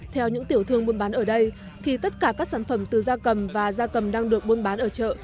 theo những tiểu thương buôn bán ở đây thì tất cả các sản phẩm từ da cầm và da cầm đang được buôn bán ở chợ